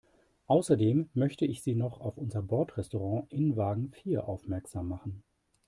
Außerdem möchte ich Sie noch auf unser Bordrestaurant in Wagen vier aufmerksam machen.